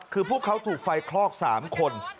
คือพวกเขาถูกไฟคลอก๓คน